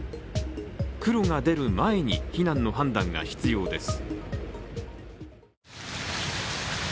黒が出る前に、避難の判断が必要です。